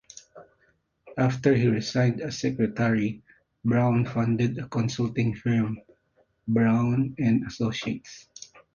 After he resigned as secretary, Brown founded a consulting firm, Brown and Associates.